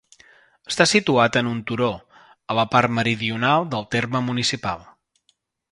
Està situat en un turó, a la part meridional del terme municipal.